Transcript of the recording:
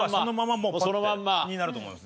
もうそのまんま？になると思います。